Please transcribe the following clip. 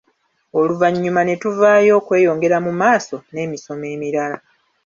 Oluvannyuma ne tuvaayo okweyongera mu maaso n’emisomo emirala.